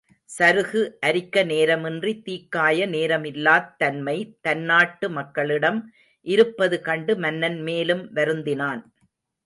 சருகு அரிக்க நேரமின்றி தீக்காய நேரமில்லாத் தன்மை தன்நாட்டு மக்களிடம் இருப்பது கண்டு மன்னன் மேலும் வருந்தினான்.